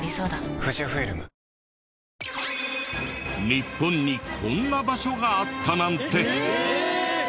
日本にこんな場所があったなんて！